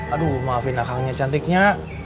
aduh maafin akangnya cantiknya